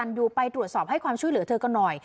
ร่วมกระตันไปตรวจสอบให้ความช่วยเหลือเธอก็หน่อย